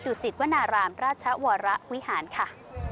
สิตวนารามราชวรวิหารค่ะ